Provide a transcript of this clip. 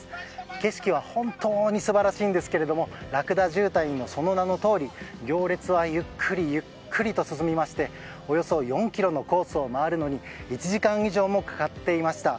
景色は本当に素晴らしいんですがラクダ渋滞のその名のとおり行列はゆっくりと進みましておよそ４ｋｍのコースを回るのに１時間以上もかかっていました。